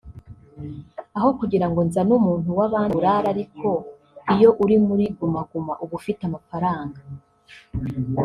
Aho kugira ngo nzane umuntu w’abandi aburare ariko iyo uri muri Guma Guma uba ufite amafaranga